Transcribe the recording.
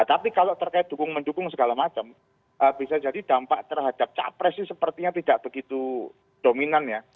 tapi kalau terkait dukung mendukung segala macam bisa jadi dampak terhadap capres ini sepertinya tidak begitu dominan ya